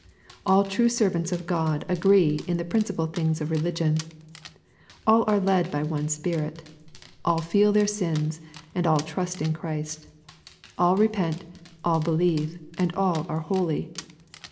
All true servants of God agree in the principal things of religion. All are led by one Spirit. All feel their sins, and all trust in Christ. All repent, all believe, and all are holy.